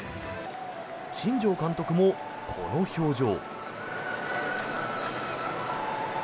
新庄監督もこの表情。